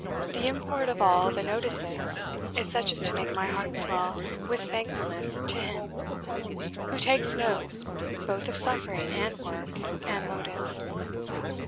The import of all the notices is such as to make my heart swell with thankfulness to Him, who takes note both of suffering, and work, and motives.